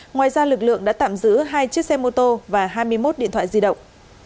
ngoài ra lực lượng đã tạm giữ hai chiếc xe mô tô và hai mươi một điện thoại di động